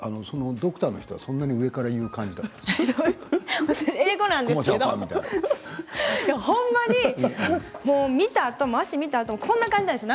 ドクターの人はそんなに上から言う英語なんですけどほんまに診たあとこんな感じなんですよ。